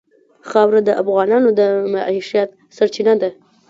خاوره د افغانانو د معیشت سرچینه ده.